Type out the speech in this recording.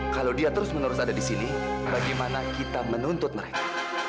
kalau dia terus menerus ada di sini bagaimana kita menuntut mereka